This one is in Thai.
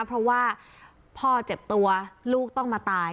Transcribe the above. เพราะว่าพ่อเจ็บตัวลูกต้องมาตาย